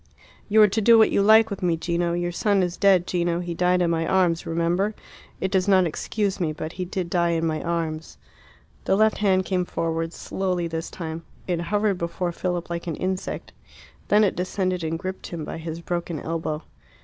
"You are to do what you like with me, Gino. Your son is dead, Gino. He died in my arms, remember. It does not excuse me; but he did die in my arms." The left hand came forward, slowly this time. It hovered before Philip like an insect. Then it descended and gripped him by his broken elbow.